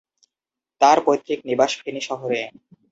তার পৈতৃক নিবাস ফেনী শহরে।